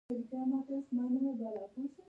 پنځه دیرشم څپرکی